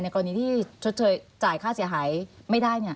กรณีที่ชดเชยจ่ายค่าเสียหายไม่ได้